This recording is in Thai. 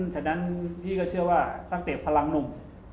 ฉะนั้นพี่ก็เชื่อว่าตั้งแต่พลังหนุ่ม